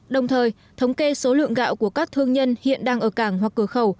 đồng thời thống kê số lượng gạo của các thương nhân hiện đang ở cảng hoặc cửa khẩu